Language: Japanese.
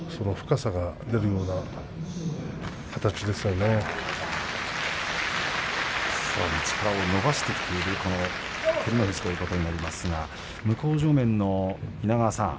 さらに力を伸ばしてきている照ノ富士ということになりますが向正面の稲川さん